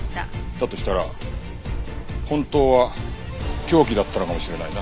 だとしたら本当は凶器だったのかもしれないな。